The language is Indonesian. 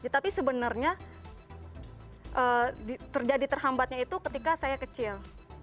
tapi sebenarnya terjadi terhambatnya itu ketika saya kecil